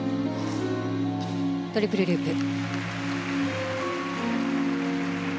トリプルループ。